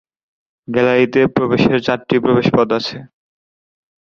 গ্যালারিতে প্রবেশের চারটি প্রবেশপথ আছে।